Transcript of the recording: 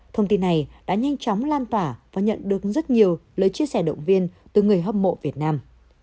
thông tin này đã nhanh chóng lan tỏa và nhận được rất nhiều lời chia sẻ động viên từ người hâm mộ việt nam